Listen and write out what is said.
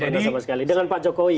dengan pak jokowi